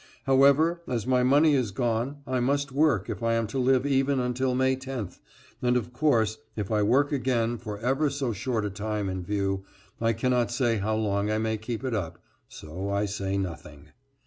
However, as my money is gone I must work if I am to live even until May 10th, and, of course, if I work again for ever so short a time in view, I cannot say how long I may keep it up, so I say nothing.